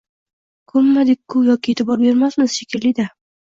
— Ko‘rmadik-ku yoki e’tibor bermabmiz shekilli-da!..